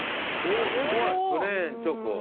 プレーンチョコ。